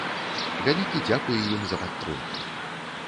Вялікі дзякуй ім за падтрымку.